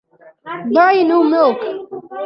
Buy no milk.